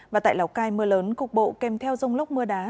và tại lào cai mưa lớn cục bộ kem theo dông lốc mưa đá